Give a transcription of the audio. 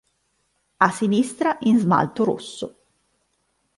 A sinistra in smalto rosso.